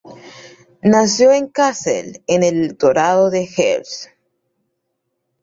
Nació en Kassel en el Electorado de Hesse.